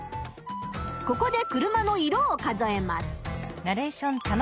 ここで車の色を数えます。